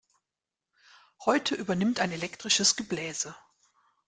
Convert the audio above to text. Heute übernimmt ein elektrisches Gebläse.